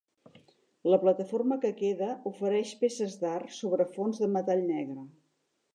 La plataforma que queda ofereix peces d'art sobre fons de metall negre.